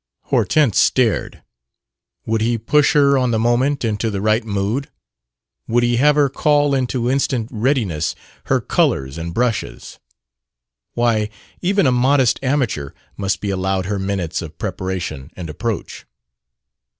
Hortense stared. Would he push her on the moment into the right mood? Would he have her call into instant readiness her colors and brushes? Why, even a modest amateur must be allowed her minutes of preparation and approach.